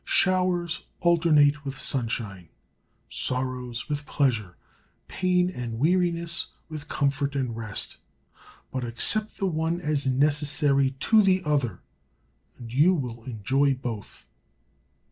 Showers alternate with sunshine, sorrows with pleasure, pain and weariness with comfort and rest; but accept the one as necessary to the other, and you will enjoy both.